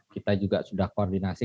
kita juga sudah koordinasi